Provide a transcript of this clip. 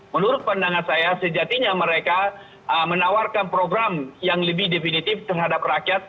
menurut pandangan saya sejatinya mereka menawarkan program yang lebih definitif terhadap rakyat